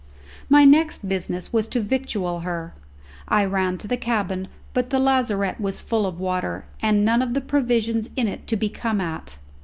My next business was to victual her. I ran to the cabin, but the lazarette was full of water, and none of the provisions in it to be come at.